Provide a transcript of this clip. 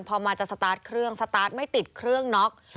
พอมาจะสตาร์ทเครื่องสตาร์ทไม่ติดเครื่องน็อก